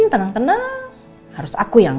tenang tenang harus aku yang